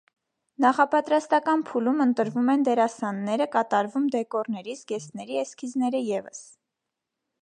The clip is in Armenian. Նախապատրաստական փուլում ընտրվում են դերասանները, կատարվում դեկորների, զգեստների էսքիզները ևս։